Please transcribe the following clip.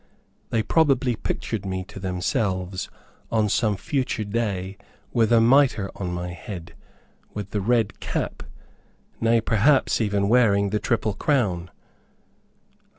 They probably pictured me to themselves, on some future day, with a mitre on my head with the red cap nay, perhaps, even wearing the triple crown.